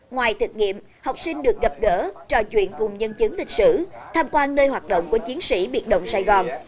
ngoài thực nghiệm học sinh được gặp gỡ trò chuyện cùng nhân chứng lịch sử tham quan nơi hoạt động của chiến sĩ biệt động sài gòn